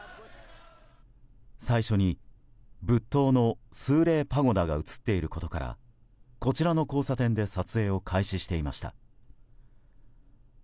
最初に仏塔のスーレーパゴダが映っていることからこちらの交差点で撮影を開始していました。